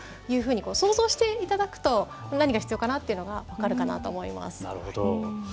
想像していただくと何が必要かなと分かると思います。